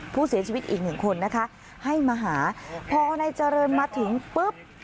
ผู้เสียชีวิตอีกหนึ่งคนนะคะให้มาหาพอนายเจริญมาถึงปุ๊บ